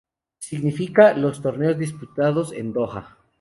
Significa los torneo disputados en Doha.